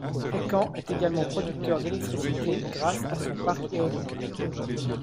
Fécamp est également producteur d'électricité grâce à son parc éolien.